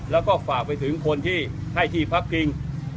แล้วก็ฝากไปถึงคนที่ให้ที่พักพิง